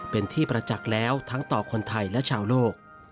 เป็นที่ประจักษ์แล้วทั้งต่อคนไทยและชาวโลก